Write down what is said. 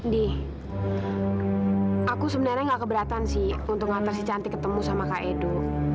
di aku sebenarnya gak keberatan sih untuk ngatasi cantik ketemu sama kak edo